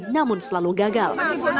namun selalu gagal